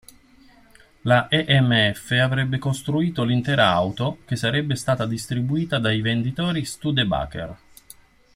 La E-M-F avrebbe costruito l'intera auto, che sarebbe stata distribuita da venditori Studebaker.